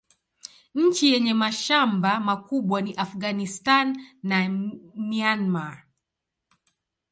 Nchi yenye mashamba makubwa ni Afghanistan na Myanmar.